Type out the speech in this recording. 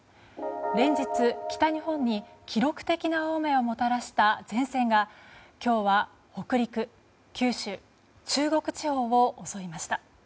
連日、北日本に記録的な大雨をもたらした前線が今日は北陸、九州中国地方を襲いました。